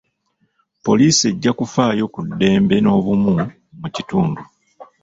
Poliisi ejja kufaayo ku ddembe n'obumu mu kitundu.